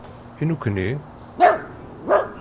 I nekkni?